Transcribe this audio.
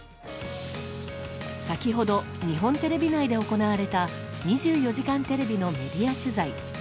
先ほど日本テレビ内で行われた「２４時間テレビ」のメディア取材。